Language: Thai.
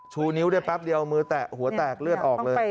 ชูนิ้วได้แป๊บเดียวมือแตะหัวแตกเลือดออกเลย